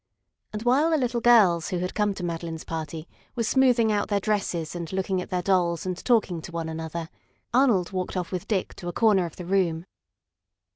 And while the little girls who had come to Madeline's party were smoothing out their dresses and looking at their dolls and talking to one another, Arnold walked off with Dick to a corner of the room.